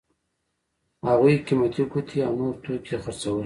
هغوی قیمتي ګوتې او نور توکي خرڅول.